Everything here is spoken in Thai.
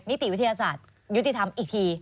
นิติวิทยาศาสตร์ยุติธรรมอีกที